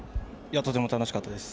とても楽しかったです。